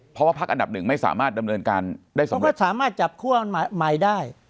เพราะว่าพักอันดับหนึ่งไม่สามารถดำเนินการได้เพราะว่าสามารถจับคั่วใหม่ได้